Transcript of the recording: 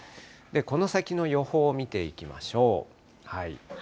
この先の予報を見ていきましょう。